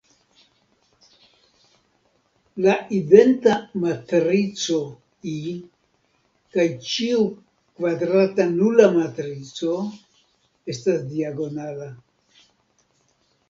La identa matrico "I" kaj ĉiu kvadrata nula matrico estas diagonala.